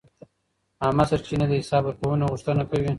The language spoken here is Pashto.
عامه سرچینې د حساب ورکونې غوښتنه کوي.